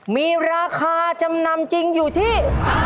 มีราคาจำนำจริงอยู่ที่